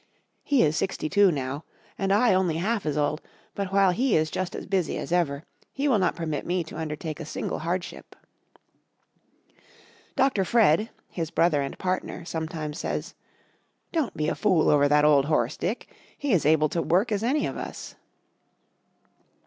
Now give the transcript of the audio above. He is sixty two now and I only half as old, but while he is just as busy as ever, he will not permit me to undertake a single hardship. Dr. Fred his brother and partner sometimes says: "Don't be a fool over that old horse, Dick! He is able to work as any of us."